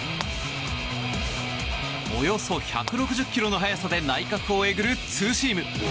およそ１６０ｋｍの速さで内角をえぐるツーシーム。